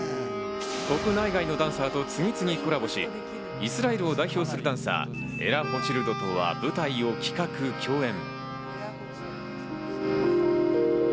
国内外のダンサーと次々にコラボし、イスラエルを代表するダンサー、エラ・ホチルドとは舞台を企画・共演。